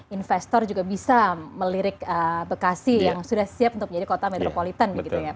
investor juga bisa melirik bekasi yang sudah siap untuk menjadi kota metropolitan begitu ya